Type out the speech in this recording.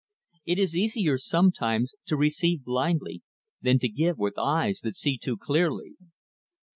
It is easier, sometimes, to receive blindly, than to give with eyes that see too clearly.